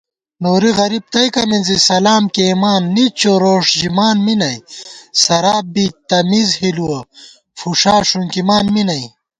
نوری غریب تئیکہ مِنزی سلام کېئیمان نِچّو روݭ ژِمان می نئ * سراپ بی تمیز ہِلُوَہ فُݭا ݭُنکِمان می نئ